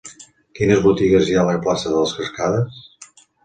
Quines botigues hi ha a la plaça de les Cascades?